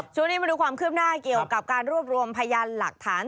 มาดูความคืบหน้าเกี่ยวกับการรวบรวมพยานหลักฐาน